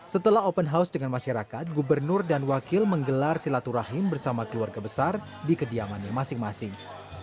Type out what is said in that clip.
setelah open house dengan masyarakat gubernur dan wakil menggelar silaturahim bersama keluarga besar di kediamannya masing masing